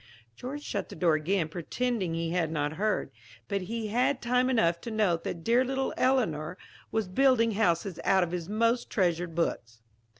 George shut the door again, pretending he had not heard; but he had had time enough to note that dear little Eleanor was building houses out of his most treasured books.